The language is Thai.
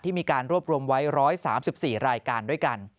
มีการรวบรวมไว้๑๓๔รายการด้วยกัน